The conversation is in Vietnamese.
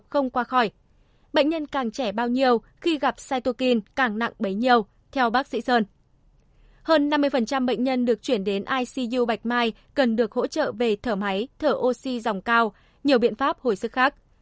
hơn năm mươi bệnh nhân được chuyển đến icu bạch mai cần được hỗ trợ về thở máy thở oxy dòng cao nhiều biện pháp hồi sức khác